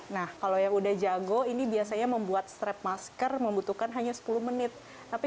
nah kalau yang udah jago ini biasanya membuat strap masker membutuhkan hanya sepuluh menit tapi